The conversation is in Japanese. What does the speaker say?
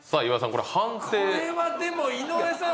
これはでも井上さん。